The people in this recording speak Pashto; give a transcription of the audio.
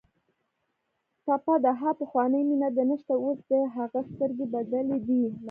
ټپه ده: ها پخوانۍ مینه دې نشته اوس دې هغه سترګې بدلې دي مینه